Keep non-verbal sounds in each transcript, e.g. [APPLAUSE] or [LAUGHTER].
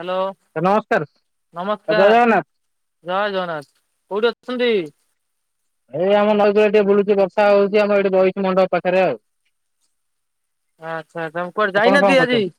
Hello sir ନମସ୍କାର sir ଜୟ ନମସ୍କାର। ଜଗନ୍ନାଥ। ଜୟ ଜଗନ୍ନାଥ କୋଉଠି ଅଛନ୍ତି? ଏଇ ଆମ ନଈକର ଟିକେ ବୁଛି ବର୍ଷ ହଉଛି ଏଠି ବହିଛି ମଣ୍ଡପ ପାଖରେ ଆଉ। ଆଚ୍ଛା ଆଚ୍ଛା କୁଆଡେ ଆପଣ କଣ ଯାଇନାହାନ୍ତି ଆଜି? କରୁଛନ୍ତି?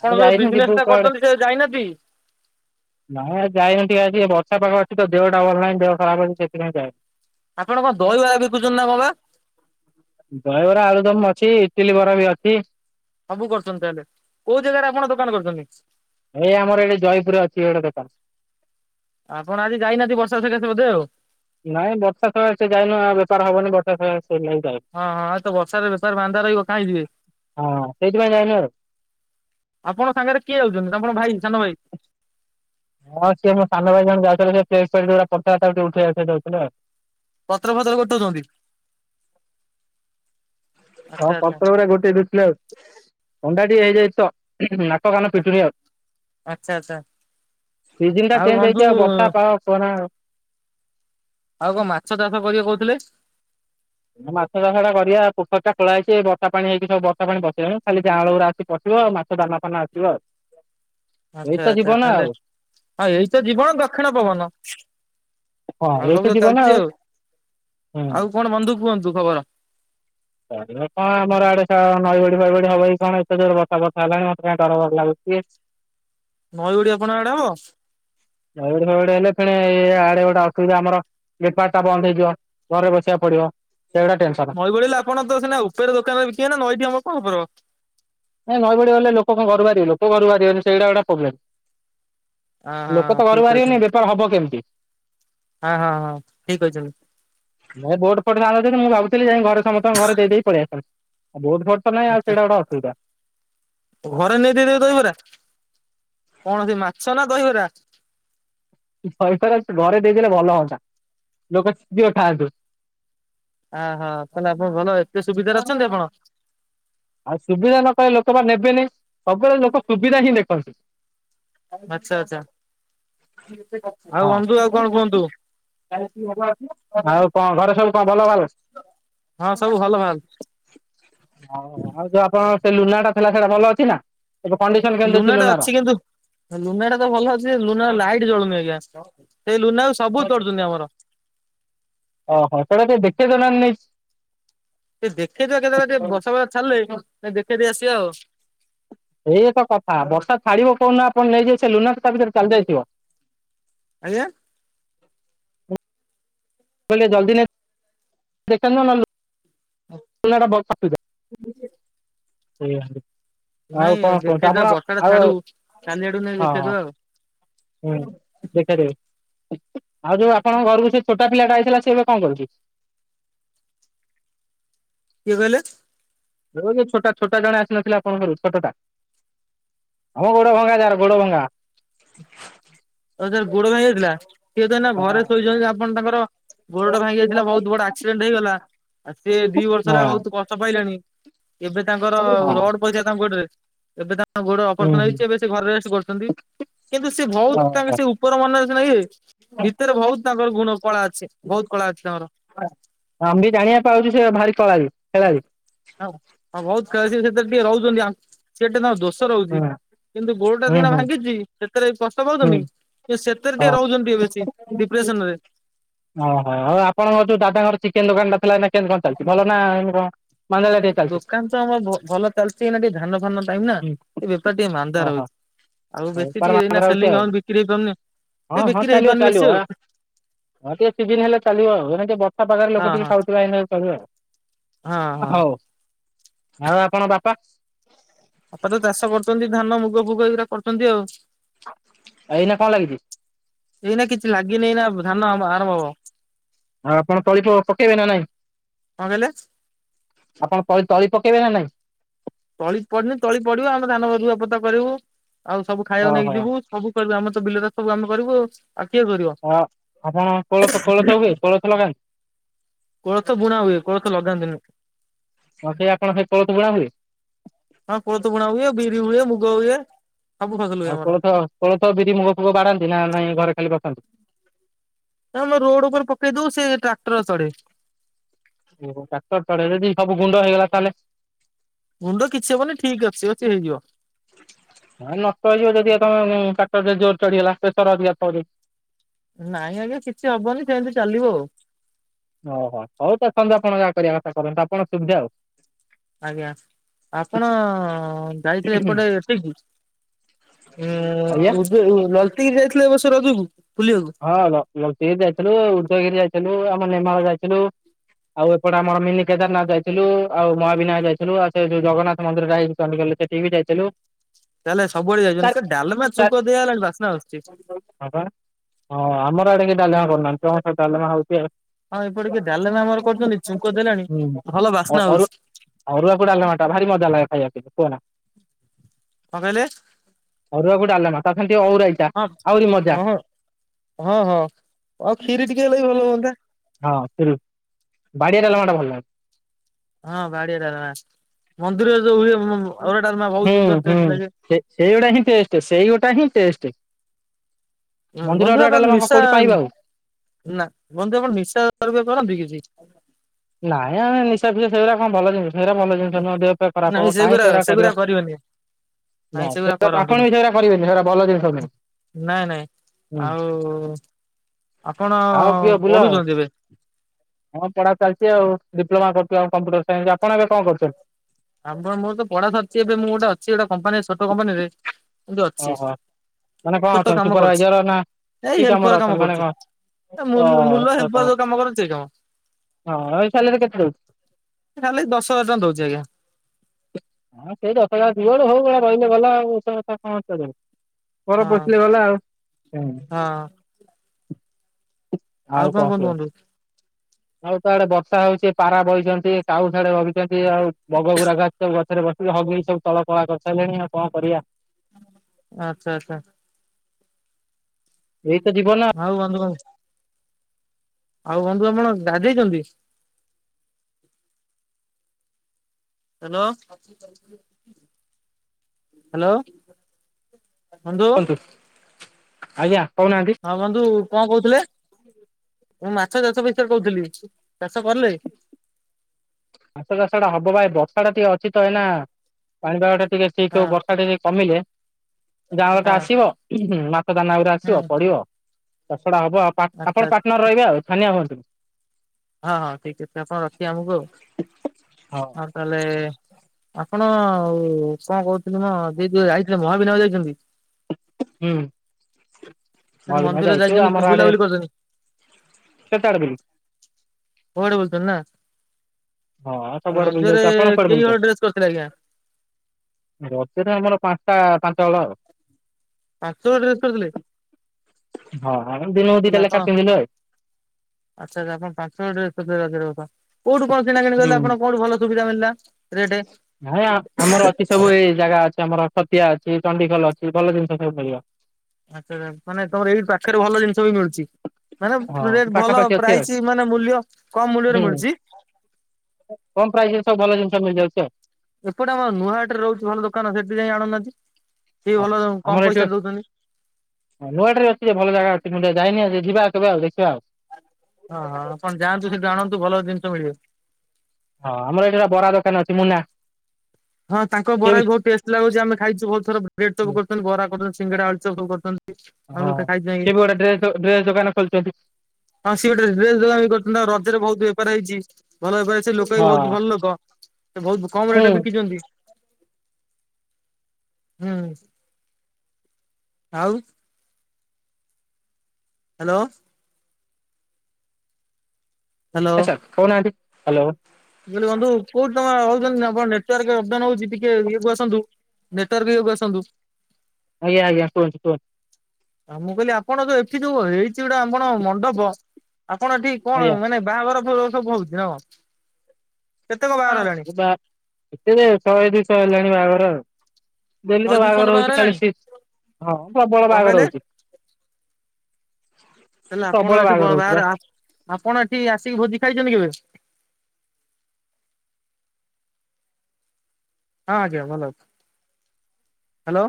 ଆମେ ଯୋଉ ଯାଇନୁ ଯିବୁ ବିଜନେସ ଟା କୁଆଡେ। କରୁଛନ୍ତି ସେ ଯାଇନାହାନ୍ତି? ନାଇଁ ଯାଇନି ଟିକେ ଆ ଟିକ ବର୍ଷା ପାଖ ଅଛି ତ ଦେହ ଡ ଭଲ ନାହିଁ ଦେହ ଖରାପ ଅଛି ସେଥିପାଇଁ ଯାଇନି। ଆପଣ କଣ ଦହିବରା ବିକୁଛନ୍ତି ନା କ ବା? ଦହିବରା ଆଳୁ ଦମ ଅଛି ଇଟିଲି ବରା ବି ଅଛି। ସବୁ କରିଛନ୍ତି ତାହେଲେ, କୋଉ ଜାଗାରେ ଆପଣ ଦୋକାନ କରିଚନ୍ତି? ଏ ଆମର ଏଇଠି ଜୟପୁରରେ ଅଛି ଗୋଟାଏ ଦୋକାନ। ଆପଣ ଆଜି ଯାଇନାହାନ୍ତି ବର୍ଷା ସକାଶେ ବୋଧେ ଆଉ? ନାଇଁ ବର୍ଷା ସକାସେ ଯାଇନୁ, ଆ ବେପାର ହବନି ବର୍ଷା ସକାସେ ସେଇଥିପାଇଁ ଯାଇନୁ। ହଁ -ହଁ ଆଜି ତ ବର୍ଷାରେ ବେପାର ମାନ୍ଦା ରହିବ, କାଇଁ ଯିବେ? ହଁ ସେଇଥିପାଇଁ ଯାଇନି ଆଉ। ଆପଣ ସାଙ୍ଗରେ କିଏ ଯାଉଛନ୍ତି? ଆପଣଙ୍କ ଭାଇ ସାନ ଭାଇ। ହଁ ସିଏ ମୋ ସାନ ଭାଇ ଜଣେ ଯାଉଥିଲା, ସେ ପ୍ଲେଟ୍ ଫ୍ଲେଟ୍ ପଡ଼ିଥିଲା ତାକୁ ଟିକେ ଉଠେଇ ଆଠେଇ ଦଉଥିଲା ଆଉ। ପତ୍ର ଫତ୍ର ଗୋଟୋଉଚନ୍ତି? ହଁ ଆଚ୍ଛା ଆଚ୍ଛା ପତ୍ର ଗୁଡା ଗୋଟେଇ ଦଉଥିଲେ ଆଉ, ଥଣ୍ଡା ଟିକେ ହେଇଯାଇଚି ତ ନାକ କାନ ଫିଟୁନି ଆଉ। ଆଚ୍ଛା ଆଚ୍ଛା। ସିଜନ ଟା ଆଉ ଚେଞ୍ଜ ବନ୍ଧୁ ହେଇଛି ଆଉ, ବର୍ଷା ପାଗ କୁହନା ଆଉ। ଆଉ କଣ ମାଛ ଚାଷ କରିବେ କହୁଥିଲେ? ମାଛ ଚାଷଟା କରିବା ପୋଖରୀଟା ଖୋଳା ହେଇଛି, ଏଇ ବର୍ଷା ପାଣି ହେଇକି ସବୁ ବର୍ଷ ପାଣି ପସି [UNINTELLIGIBLE] ଖାଲି ଜାଆଁଳ ଗୁରା ଆସିି ପଶିବ। ମା ମାଛ ଦାନା ଫାନା ଆସିବ ଆଉ। ଏଇ ଆଚ୍ଛା ତ ଆଚ୍ଛା ଜୀବନ ତାହେଲେ ଆଉ। ଆଉ ଏଇ ତ ଜୀବନ ଦକ୍ଷିଣ ପବନ। ହଁ ଆଉ ଏଇ ସବୁ ତ ଜୀବନ ଚାଲିଛି ଆଉ। ହୁଁ। ଆଉ କଣ ବନ୍ଧୁ କୁହନ୍ତୁ ଖବର? ଖବର କଣ ଆମର ଆଡେ ନଈ ବଢି ଫଇ ବଢି ହବ କି କଣ, ଏତେ ଜୋର ବର୍ଷା ଫର୍ଷା ହେଲାଣି ମତେ କାଇଁ ଡର ଲାଗୁଛି। ନଈ ବଢି ଆପଣଙ୍କ ଆଡେ ହବ? ନଈ ବଢ଼ି ଫଇ ବଢ଼ି ହେଲେ ପୁଣି ଏ ଆଡେ ଗୋଟେ ଅସୁବିଧା ଆମର। ନିପାଟା ବନ୍ଦ ହେଇଯିବ ଘରେ ବସିବାକୁ ପଡିବ, ସେଗୁଡା ଟେନସ ନଈ ବଢ଼ି ହେଲେ ଆପଣ ତ ସିନା ଉପରେ ଦୋକାନରେ ବିକିବେ, ନା ନଈଠି ଆମ କଣ [UNINTELLIGIBLE] ନାଇଁ ନଈ ବଢି ହେଲେ ଲୋକ କଣ ଘରୁ ବାହାରିବେ, ଲୋକ ଘରୁ ବାହାରିବେନି ସେଇଟା ଗୋଟା ପ୍ରୋ୍ଲେମ୍। ହଁ ଲୋକ ହଁ ତ ଠିକ୍ ଘରୁ ବାହାରିବେନି, କହିଛନ୍ତି। ବେପାର ହବ କେମିତି? ହଁ- ହଁ- ହଁ ଠିକ୍ କହିଚନ୍ତି। ନାଇଁ ବୋଟ୍ ଫୋଟ୍ ଥାଆନ୍ତା ଯଦି, ମୁଁ ଭାବୁଥିଲି ଯାଇ ଘରେ ସମସ୍ତଙ୍କ ଘରେ ଦେଇ ଦେଇ ପଳେଇ ଆସି ଥାନ୍ତି। ଆଉ ବୋଟ୍ ଫୋ ଟ୍ ନାଇଁ ଆଉ ସେଇଟା ଗୁଡା ଅସୁବିଧା। ଘରେ ନେଇ ଦେଇଦେବି ଦହିବରା, କଣ ସେଇ ମାଛ ନା ଦହିବରା? [UNINTELLIGIBLE] ଆ ହଁ ତାହେଲେ ଆପଣ ଭଲ ଏତେ ସୁବିଧାରେ ଅଛନ୍ତି ଆପଣ? ଆଉ ସୁବିଧା ନ ପାଇଲେ ଲୋକମାନେ ନେବେନି, ସବୁବେଳେ ଲୋକ ସୁବିଧା ହିଁ ଦେଖନ୍ତି। ଆଚ୍ଛା ଆଚ୍ଛା ଆଉ ବନ୍ଧୁ ଆଉ ହଁ। କଣ କୁହନ୍ତୁ? ଆଉ କଣ ଘରେ ସବୁ କଣ ଭଲ ଭାଲ? ହଁ ସବୁ ଭଲ ଭାଲ। ଆଉ ଯୋଉ ଆପଣଙ୍କ ସେ ଲୁନାଟା ଥିଲା, ସେଇଟା ଭଲ ଅଛି ନା? ଏବେ କଣ୍ଡିସନ କେମିତି ଅଛି ଲୁନାଟା ଲୁନାର? କିନ୍ତୁ ଲୁନାଟା ତ ଭଲ ଅଛି ଲୁନାର ଲାଇଟ୍ ଜଳୁନି ଆଜ୍ଞା, ସେଇ ଲୁନାକୁ ସବୁ ଚଢୁଛନ୍ତି ଆମର। ଓ ହୋ ସେଇଟା ଟିକେ ଦେଖେଇ ଦଉ ନାହାଁନ୍ତି ନେଇକି? ଟିକେ ଦେଖେଇଦବା କେତେବେଳେ ଟିକେ ବର୍ଷା ଫର୍ଷା ଛାଡ଼ିଲେ, ଯାଇକି ଦେଖେଇ ଦେଇକି ଆସିବା ଆଉ। ଏଇ ଏତ କଥା ବର୍ଷା ଛାଡିବ କୋଉ ଦିନ ଆପଣ ନେଇଯିବେ, ସେ ଲୁନା ତ ତା ଭିତରେ ଚାଲି ଯାଇଥିବ। ଆଜ୍ଞା। ମୁଁ କହିଲି ଜଲଦି ନେ ଦେଖେଇ ଆଣିବୁ ନହେଲେ ଲୁନାଟା। [UNINTELLIGIBLE] ସେଇଆ। ନାଇଁ ଦେଖେଇଦବା ବର୍ଷାଟା ଛାଡୁ, କାଲି ଆଡୁକୁ ନେଇ ହଁ ହଁ ଦେଖେଇଦବା ଆଉ। ହୁଁ ଦେଖେଇ ଦେ, ଆଉ ଯୋଉ ଆପଣଙ୍କ ଘରକୁ ସେ ଛୋଟା ପିଲାଟା ଆଇଥିଲା ସେ ଏବେ କଣ କରୁଛି? କିଏ କହିଲେ? ଏ ଛୋଟା ଛୋଟା ଜଣେ ଆସିନଥିଲା ଆପଣଙ୍କ ଘରକୁ, ଛୋଟାଟା। ହଁ ମ ଗୋଡ ଭଙ୍ଗା ଯାର ଗୋଡ ଭଙ୍ଗା। ଓ ଯାହାର ଗୋଡ ଭାଙ୍ଗି ଯାଇଥିଲା, ସିଏ ତ ଏଇନା ହଁ ଘରେ ଶୋଇଛନ୍ତି। ଆପଣ ତାଙ୍କର ଗୋଡଟା ଆମେ ଭାଙ୍ଗି ଯାଇଥିଲା ବହୁତ ବଡ ଆକ୍ସିଡେଣ୍ଟ ହେଇଗଲା, ସିଏ ଦି ବର୍ଷ ହେଲା ବହୁତ କଷ୍ଟ ପାଇଲେଣି। ଏବେ ତାଙ୍କର ରଡ ପଇଥିଲା ତାଙ୍କ ଗୋଡରେ, ଏବେ ତାଙ୍କ ହ ଗୋଡ ଅପରେସନ ହେଇଚି ଏବେ ସେ ଘରେ ରେଷ୍ଟ କରୁଚନ୍ତି। କିନ୍ତୁ ସେ ବହୁତ ତାଙ୍କେ ସେ ଉପର ମନରେ ସିନା ଇଏ ଭିତରେ ବହୁତ ତାଙ୍କର ଗୁଣ କଳା ଅଛି ବହୁତ କଳା ଅଛି ତାଙ୍କର। ଆମେ ବି ଜାଣିବା ପାଉଚୁ ସେ ଭାରି କଳାଳୀ। ହଁ ହଁ ବହୁତ [UNINTELLIGIBLE] ସେଥିରେ ଟିକେ ରହୁଚନ୍ତି ଆ ସିଏ ଟିକେ ତାଙ୍କ ହୁଁ ଦୋଷ ରହୁଚି କିନ୍ତୁ ଗୋଡଟା ହୁଁ ସିନା ହୁଁ ଭାଙ୍ଗିଚି ସେଥିରେ କ ଷ୍ଟ ହୁଁ ପାଉଚନ୍ତି ଏ ସେଥିରେ ଟିକେ ହଁ ରହୁଚନ୍ତି ଟ ବେଶୀ ଡିପ୍ରେସନ ରେ। ଓହୋ ଆଉ ଆପଣଙ୍କ ଯୋଉ ଦାଦାଘର ଚିକେନ ଦୋକାନ ଟା ଥିଲା ଏନା କେମତି କଣ ଚାଲିଚି ଭଲ ନା କଣ? ମାନ୍ଦାଳିଆ ଟିକେ ଚାଲିଛି ଦୋକାନ ତ ଆମର ବୋ ଭଲ ଚାଲିଚି ଏନା ଟିକେ ଧାନ ଫାନ ଟାଇମ ନା ହୁଁ ସେ ବେପାର ଟିକେ ମାନ୍ଦା ଓହୋ ରହୁଚି। ଆଉ ବେଶୀ ବେପାର ଟିକେ ମାନ୍ଦା ଏଇନା ରହୁଛି ସେଲିଂ ଆଉ ହଉନ ବିକ୍ରି ହେଇପାରୁନି ହଁ ସେ ହଁ ବିକ୍ରି ଚାଲିବ ହେଇପାରୁନି ଚାଲିବ ବେଶୀ ଆ ଆଉ। ହଁ ଟିକେ ସିଜିିନ ହେଲେ ଚାଲିବ ଆଉ [UNINTELLIGIBLE] ଟିକେ ବର୍ଷାପାଗରେ ହଁ ଲୋକ ହଁ ଟିକେ ଖାଉଥିବାଇ [UNINTELLIGIBLE] ହଁ ହଁ। ଆଉ ଆପଣ ବାପା? ବାପା ତ ଚାଷ କରୁଚନ୍ତି ଧାନ ମୁଗ ଫୁଗ ଏଇଗୁଡା କରୁଚନ୍ତି ଆଉ। ଏଇନା କଣ ଲାଗିଚି? ଏଇନା କିଛି ଲାଗିନି ଏଇନା ଧାନ ଆରମ୍ଭ ହବ ଆଉ ଆପଣ ତଳି ପ ପକେଇବେ ନା ନାଇଁ? କଣ କହିଲେ ଆପଣ ତଳି ତଳି ପକେଇବେ ନା ନାଇଁ? ତଳି ପଡିନି ତଳି ପଡିବ ଆମେ ଧାନ ରୁଆପୋତା କରିବୁ ଆଉ ସବୁ ଖାଇଆକୁ ନେଇକି ଓହୋ ଯିବୁ ସବୁ କରିବୁ ଆମର ତ ବିଲରେ ସବୁ ଆମେ କରିବୁ ଆଉ ଆ କିଏ କରିବ? ଅ ଆପଣ କୋଳଥ କୋଳଥ ହୁଏ କୋଳଥ ଲଗାନ୍ତି କୋଳଥ ବୁଣା ହୁଏ କୋଳଥ ଲଗାନ୍ତିନି। ହଁ ସେଇ ଆପଣ ସେଇ କୋଳଥ ବୁଣା ହୁଏ? ହଁ କୋଳଥ ବୁଣା ହୁଏ ବିିରି ହୁଏ ମୁଗ ହୁଏ। ସବୁ ଫସଲ ହୁଏ ଆଉ ଆମର। କୋଳଥ କୋଳଥ ବିରି ମୁଗ ଫୁଗ ବାଡାନ୍ତି ନା ନାଇଁ ଘରେ ଖାଲି ରଖନ୍ତି। ନା ଆମେ ରୋଡ ଉପରେ ପକେଇ ଦଉ ସେ ଟ୍ରାକ୍ଟର ଚଢେ। ଓହୋ ଟ୍ରାକ୍ଟର ଚଢେ। ଯଦି ସବୁ ଗୁଣ୍ଡ ହେଇଗଲା ତାହେଲେ? ଗୁଣ୍ଡ କିଛି ହବନି ଠିକ ଅଛି ଅଛି ହେଇଯିବ। ହେ ନଷ୍ଟ ହେଇଯିବ ଯଦି ତମେ ଟ୍ରାକଟର ଜୋର ଚଢିଗଲା ପ୍ରେସର ଅଧିକା ପଡ଼େ। ନାଇଁ ଆଜ୍ଞା କିଛି ହବନି ସେମିତି ଯଦି ଚାଲିବ ଆଉ। ଓହୋ ହଉ ଦେଖନ୍ତୁ ଆପଣ ଯାହା କରିବା କଥା କରନ୍ତୁ ଆପଣ ସୁବିଧା ଆଉ। ଆଜ୍ଞା ଆପଣ ଯାଇଥିଲେ ଏପଟେ ଏଠିକି ଆଜ୍ଞା ଉଁ ଉଦ ଲଲତଗିରି ଯାଇଥିଲେ ଏ ବର୍ଷ ରଜୁକୁ? ହଁ ଲ ଲଳତିଗିରି ଯାଇଥିଲୁ, ଉଦୟଗିରି ଯାଇଥିଲୁ, ଆମ ନେମାଳ ଯାଇଥିଲୁ। ଆଉ ଏପଟେ ଆମର ମିନି କେଦାରନାଥ ଯାଇଥିଲୁ, ଆଉ ମହାବିନାୟକ ଯାଇଥିଲୁ, ଆଉ ସେ ଯଉ ଜଗନ୍ନାଥ ମନ୍ଦିର ଟା ହେଇଚି ଚଣ୍ଡିଖୋଲ ରେ ସେଟିକି ବି ଯାଇଥିଲୁ। ତାହେଲେ ସବୁଆଡେ ଯାଇଛନ୍ତି ଡାଲମା ଛୁଙ୍କ ଦିଆ ହେଲାଣି ବାସ୍ନା ଆସୁଛି। [UNINTELLIGIBLE] ହଁ ଆମର ଆଡେ କି ଡାଲମା କରୁନାହାନ୍ତି, ତମ ଆଡେ ସ ଡାଲମା ହଉଚି ଆଉ। ହଁ ଏପଟେ କିଏ ଡାଲେମା ଆମର କରୁଚନ୍ତି ଚୁଙ୍କ ଦେଲାଣି ଭଲ ବାସ୍ନା ହଉଚି। ଅରୁଆ କୁ ଡାଲମାଟା ଭାରି ମଜା ଲାଗେ ଖାଇବା ପାଇଁ କୁହ ନା। କଣ କହିଲେ? ଅରୁଆକୁ ଡଲମା ତା ସାଙ୍ଗେ ଟିକେ ଅଉରାଇ। ହଁ, ହଁ, ହଁ, ହଁ, ହଁ, ଆଉ ଖିରି ଟିକେ ହେଲେବି ଭଲ ହୁଅନ୍ତା। ହଁ ଖିରି ବାଡିଆ ଡ଼ାଲମା ଟା ଭଲନାଗେ। ହଁ ବାଡିଆ ଟାଲମା, ମନ୍ଦିରରେ ଯୋଉ ହୁଏ ମୁ ମୁ ଆରୁଆ। ଡାଲମା ବହୁତ ସୁନ୍ଦର ଟେଷ୍ଟ ଲାଗେ। ସେଇଗୁଡ଼ା ହିଁ ଟେଷ୍ଟ ସେଇଗୋଟା ହିଁ ଟେଷ୍ଟ। ହଁ, ମନ୍ଦିର ବନ୍ଧୁ ଅରୁଆ ଆପଣ ଡାଲମା କଣ ନିଶା କୋଉଠି ପାଇବା ଆଉ। ନା ବନ୍ଧୁ ଆପଣ ନିଶା [UNINTELLIGIBLE] କରନ୍ତି କିଛି? ନାଇଁ ଆମେ ନିଶା ଫିସା ସେଇଗୁଡା କଣ ଭଲ ଜିନିଷ? ସେଇରା ଭଲ ଜିନିଷ ନୁହଁ, ଦେହପେହ ଖରାପ ନାଇଁ ହବ କାଇଁ ସେଗୁରା ସେଇଗୁରା ସେଗୁରା କରିବା। କରିବେନି ନାଇଁ ନା ସେଗୁରା ସେଇଟା ଆପଣ କରନ୍ତୁନି। ବି ସେଇରା କରିବେନି ସେଉରା ଭଲ ଜିନିଷ ନୁହଁ। ନାଇଁ ନାଇଁ ହୁଁ ଆଉ ଆପଣ ଖାଅ ପିଅ ବୁଲ ଆଉ ପଢୁଚନ୍ତି ଏବେ? ହଁ ପଢା ଚାଲିଚି ଆଉ ଡିପ୍ଲୋମା କରୁଚୁ ଆମେ କମ୍ପ୍ୟୁଟର ସାଇନ୍ସ। ଆପଣ ଏବେ କଣ କରୁଚନ୍ତି? ଆ ମୋର ତ ପଢା ସରିଛି ଏବେ ମୁଁ ଗୋଟେ ଅଛି ଗୋଟେ କମ୍ପାନୀରେ ଛୋଟ କମ୍ପାନୀ ରେ ଏମତି ଅଛି। ଓହୋ ମାନେ କଣ ଛୋଟ ଅଛନ୍ତି କାମ କରୁଛି ସୁପରଭାଇଜର ନା କି ଏଇ କାମରେ ହେଲପର ଅଛନ୍ତି କାମ ମାନେ କରୁଚୁ। କଣ ଏ ମୁଲ ମୁଲ ହେଲ୍ପର ଓହୋ ଯୋଉ କାମ କରନ୍ତି ସେଇ କାମ। ହଁ ଏଇ ସାଲେରି କେତେ ଦଉଚି? ଏ ସେଲିି ଦଶ ହଜାର ଦଉଚି ଆଜ୍ଞା। ହଁ ସେଇ ଦଶ ହଜାର ପିଲୋଡ ହଉ ଆ ରହିଲେ ଗଲା ଆଉ [UNINTELLIGIBLE] ପର ହଁ। ପଶିଗଲା ଆଉ ହୁଁ। ହଁ ଆଉ କଁ କଣ ବନ୍ କୁହ? କୁହନ୍ତୁ? ଆଉ ତ ଏଆଡେ ବର୍ଷା ହଉଚି ପାରା ବଇଚନ୍ତି କାଉ ସେଡେ ରଗିଚନ୍ତି ଆଉ ବଗଗୁରା କ ସବୁ ଗଛରେ ବସିକି ହଗୁରି ସବୁ ତଳ କଳା କରିସାଇଲେଣି ଆଉ କଁ କରିଆ? ଆଛା ଆଛା। ଏଇ ତ ଯିବନ ହଉ ବନ୍ଧୁ ରଉ ଆଉ ବନ୍ଧୁ ଆପଣ ଗାଧେଇଚନ୍ତି? Hello hello. କନ୍ତୁ ଆଜ୍ଞା କହୁନାହାନ୍ତି? ହଁ ବନ୍ଧୁ କଁ କହୁଥିଲେ ମୁଁ ମାଛ ଚାଷ ବିଷୟରେ କହୁଥିଲି ଚାଷ କଲେ? ମାଛ ଚାଷଟା ହବପା ଏ ବର୍ଷାଟା ଟିକେ ଅଛି ତ ଏଇନା ପାଣିପାଗ ଟା ଟିକେ ଠିକ୍ ହଁ ହେଉ ବର୍ଷା ଟିକେ କମିଲେ ଜାଆଁଳ ଟା ହଁ ଆସିବ ମାଛ ଦାନା ଉରା ଆସିବ ହୁଁ ପଡିବ ମାଛ ଚାଷଟା ହବ ଆଉ ପା ଆଚ୍ଛା ଆପଣ ପାଟନର ରହିବେ ଆଉ ଛାନିଆ ହୁଅନ୍ତୁନି। ହଁ ହଁ ଠିକ ଚିତାପ ରଖିବେ ଆମକୁ ଆଉ। ହଁ। ଆଉ ତାହେଲେ ଆପଣ କଁ କହୁଥିଲି ମ ଯେ ଯଉ ଯାଇଥିଲେ ମହାବିନାୟ ଯାଇଛନ୍ତି? ହୁଁ ସେଠି ମହାବିନାୟକ ମନ୍ଦିର ଯାଇଚୁ ଯାଇଛନ୍ତି ଆମର ଆଡେ ବୁଲାବୁଲି କରିଛନ୍ତି କେତେ ଆଡେ ବୁଲୁ କୁଆଡେ ବଲୁଚ ନା? ହଁ ଆଉ ସବୁଆଡେ ବୁଲି ରଜରେ ଯାଇଛୁ ଆପଣ କୁଆଡେ କେଇ ବୁଲିଛନ୍ତି? ହଳ ଡ୍ରେସ କରିଥିଲେ ଆଜ୍ଞା? ରଜରେ ଆମର ପାଞ୍ଚଟା ପାଞ୍ଚ ହଳ ଆଉ। ପାଞ୍ଚ ହଳ ଡ୍ରେସ କରିଥିଲେ ହଁ ଆମେ ଦିନ କୁ ଦିଟା ଲେଖା ପିନ୍ଧିଲୁ ଆଉ। ଆଛା ଆଛା ଆପଣ ପାଞ୍ଚମ ମିନଟ୍ [UNINTELLIGIBLE] କୋଉଠୁ କଁ କିଣା କିଣି ହୁଁ କଲେ ଆପଣ? କୋଉଠି ଭଲ ସୁୁବିଧା ମିଳିଲା। ରେଟ? ନାଇଁ ଆ ଆମର ଏ ସବୁ ଏଇ ଜାଗା ଅଛି ଆମର ଅଛି ଖତିଆ ଅଛି ଚଣ୍ଡିଖୋଲ ଅଛି ଭଲ ଜିନିଷ ସବୁ ମିଳିବ। ଆଛା ଜନପାନେ ତମର ଏଇ ପାଖରେ ଭଲ ଜିନିଷ ବି ମିଳୁଚି। ମାନେ ହଁ ରେଟ ଭଲ ପାଖାପାଖି ଅଛି ଆଉ ପ୍ରାଇସ୍ ମାନେ ମୂଲ୍ୟ କମ ହୁଁ ମୂଲ୍ୟରେ ମିଳୁଚି। କମ ପ୍ରାଇଜ ରେ ସବୁ ଭଲ ଜିନିଷ ମିଳିଯାଉଛି ଆଉ। ଏପଟେ ଆମ ନୂହାଟରେ ରହୁଥି ଭଲ ଦୋକାନ ସେଠି ଯାଇ ଆଣୁନାହାନ୍ତି। ସିଏ ହଁ ଭଲ କମ୍ ଆମର ଏଠି ପଇସାରେ ଦଉଛନ୍ତି। ହ ନୂଆ ହାଟରେ ରେ ଅଛି ଯେ ଭଲ ଜାଗା ଅଛି ମୁତ ଯାଇନି ଆ ଯିବା ଆ କେବେ ଆଉ ଦେଖିବା ଆଉ। ହଁ ହଁ ଆପଣ ଯାଆନ୍ତୁ ସେଠୁ ଆଣନ୍ତୁ ଭଲ ଜିନିଷ ମିଳିବ। ହଁ ଆମର ଏଇଠି ବରା ଦୋକାନ ଅଛି ମୁନା ହଁ ତାଙ୍କ ବରା ବି ବହୁତ ଟେଷ୍ଟି ଲାଗୁଛି ଆମେ ଖାଇଚୁ ବହୁତ ଥର ବ୍ରେଡ ସବୁ କରୁଚନ୍ତି ବରା କରୁଚନ୍ତି ସିଙ୍ଗଡା ଆଳୁ ଚପ ସବୁ କରୁଚନ୍ତି ଆଳୁଖା ଖାଇ ଟିବୁଆଡ଼େ ଡ୍ରେସ ଡ୍ରେସ ଦୋକାନ [UNINTELLIGIBLE] ଚନ୍ତି। ହଁ ସିଏ ଗୋଟେ ଡ୍ରେସ ଦୋଆନ କରଚିନା ରଜରେ ବହୁତ ବେପାର ହେଇଚି। ଭଲ ବେପାର ସେ ଲୋକ ବି ହଁ ବହୁତ ଭଲ ଲୋକ ତ ବହୁତ କମ ହୁଁ ରେଟ ବିକିଚନ୍ତି। ହୁଁ ଆଉ ହ୍ୟାଲୋ। ହ୍ୟାଲୋ। ଆଚ୍ଛା କହୁନାହାନ୍ତି ହାଲୋ। ମୁଁ କହିଲି ବଂଧୁ କଉଠି ତମ ହଉଛନ୍ତି ଆପଣ ନେଟୱାର୍କ ଅପ୍ ଡାଉନ୍ ହେଉଛି ହଉଛି ଟିକେ ଇଏକୁ ଆସନ୍ତୁ ନେଟୱାର୍କ କୁ ଆସନ୍ତୁ। ଆଜ୍ଞା ଆଜ୍ଞା କୁହନ୍ତୁ କୁହନ୍ତୁ। ଆଉ ମୁଁ କହିଲି ଆପଣ ଯୋଉ ଏଠି ଯୋଉ ହେଇଛି ଗୋଟା ମଣ୍ଡପ ଆପଣ ଏଠି କଣ ଆଜ୍ଞା। ମାନେ ବାହାଘର ଫାହାଘର ସବୁ ହଉଛି ନା କଣ? କେତେ କଣ ବାହାଘର ହେଲାଣି ବା ଏତେ ଶହେ ଦୁଇ ଶହ ହେଲାଣି ବାହାଘର ଆଉ। ଡେଲି ତ ଶହେ ଦୁଇଶହ ଖଣ୍ଡେ ବାହାଘର ହେଉଛି ଖାଲି ହେଲାଣି ହଁ ପ୍ରବଳ ବାହାଘର ହେଉଛି। ହେଲେ ଆପଣ ପ୍ରବଳ ଏଠି ବାହାଘର ବା ହଉଛି ଆପଣ ଏଠି ଆସିକି ଭୋଜି ଖାଇଛନ୍ତି କେବେ? ହଁ ଆଜ୍ଞା ଭଲ ଅଛି ହ୍ୟାଲୋ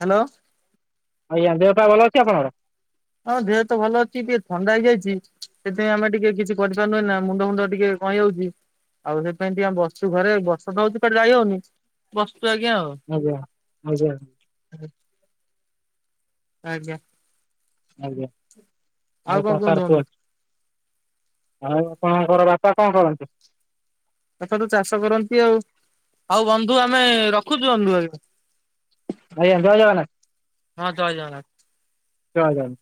ହ୍ୟାଲୋ ହ୍ୟାଲୋ ଦେହ ପା ଭଲ ଅଛି ଆପଣଙ୍କର? ହଁ ଦେହ ତ ଭଲ ଅଛି ଟିକେ ଥଣ୍ଡା ହେଇଯାଇଛି ସେଥିପାଇଁ ଆମେ ଟିକେ କିଛି କରିପାରୁନୁ ନା ମୁଣ୍ଡ ମୁଣ୍ଡ ଟିକେ [UNINTELLIGIBLE] ସେଥିପାଇଁ ଟିକେ ବସିଛୁ ଘରେ ବର୍ଷା ତ ହେଉଛି କୁଆଡେ ଯାଇ ହଉନି ବସଛୁ ଆଜ୍ଞା ଆଉ ଆଜ୍ଞା ଆଜ୍ଞା ଆଜ୍ଞା। ଆଜ୍ଞ। ଆଉ କଣ କୁହନ୍ତୁ ବନ୍ଧୁ? ଆଉ ଆପଣଙ୍କର ବାପା କଣ କରନ୍ତି? ବାପା ତ ଚାଷ କରନ୍ତି ଆଉ ଆଉ ବନ୍ଧୁ ଆମେ ରଖୁଛୁ ବନ୍ଧୁ? ଆଜ୍ଞା ଜୟ ଜଗନ୍ନାଥ। ହଁ ଜୟ ଜଗନ୍ନାଥ। ଜୟ ଜଗନ୍ନାଥ।